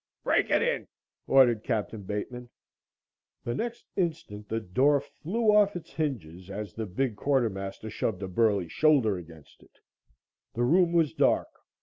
"Break it in!" ordered Capt. Bateman. The next instant the door flew off its hinges as the big quartermaster shoved a burly shoulder against it. The room was dark.